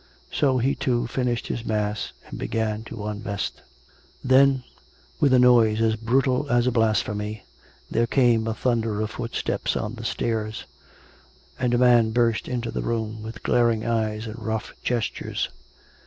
... So he, too, finished his mass, and began to unvest. ... Then, with a noise as brutal as a blasphemy, there came a thunder of footsteps on the stairs; and a man burst into the room, with glaring eyes and rough gestures.